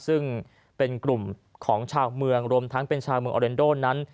ซึ่งเป็นกลุ่มของชาวเมืองรวมทั้งเป็นชาวเมืองออเรนโดนั้น